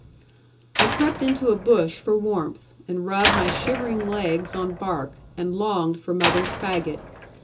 I crept into a bush for warmth, and rubbed my shivering legs on bark, and longed for mother's fagot.